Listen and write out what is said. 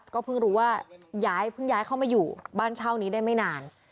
ก็เพิ่งรู้ว่าย้ายเพิ่งย้ายเข้ามาอยู่บ้านเช่านี้ได้ไม่นาน